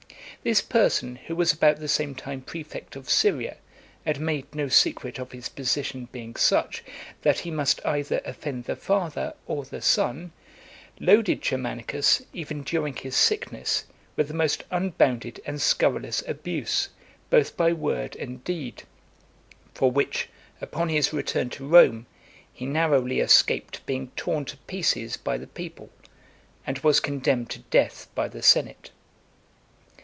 This person, who was about the same time prefect of Syria, and made no secret of his position being such, that (252) he must either offend the father or the son, loaded Germanicus, even during his sickness, with the most unbounded and scurrilous abuse, both by word and deed; for which, upon his return to Rome, he narrowly escaped being torn to pieces by the people, and was condemned to death by the senate.